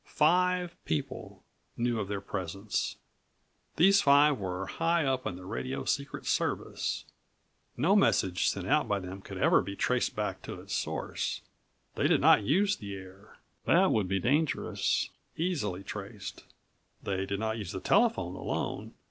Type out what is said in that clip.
Five people knew of their presence. These five were high up in the radio secret service. No message sent out by them could ever be traced back to its source. They did not use the air. That would be dangerous,18 easily traced. They did not use the telephone alone.